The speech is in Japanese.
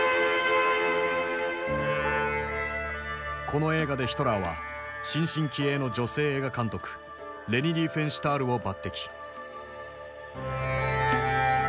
この映画でヒトラーは新進気鋭の女性映画監督レニ・リーフェンシュタールを抜擢。